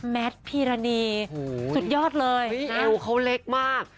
แมทพีรณีสุดยอดเลยเอวเขาเล็กมาก